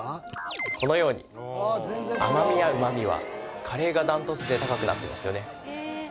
このように甘味やうま味はカレーがダントツで高くなってますよね